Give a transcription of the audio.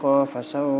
cuman kan sabut